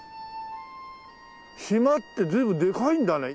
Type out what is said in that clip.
島って随分でかいんだね。